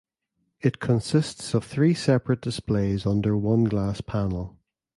It consists of three separate displays under one glass panel.